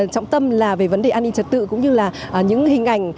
trọng tâm là về vấn đề an ninh trật tự cũng như là những hình ảnh